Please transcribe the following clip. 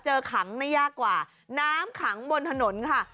ขังไม่ยากกว่าน้ำขังบนถนนค่ะ